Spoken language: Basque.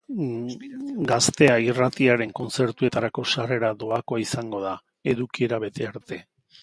Gaztea irratiaren kontzertuetarako sarrera doakoa izango da, edukiera bete arte.